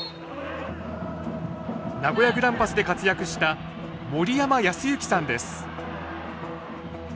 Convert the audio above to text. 名古屋グランパスで活躍した森山泰行さんです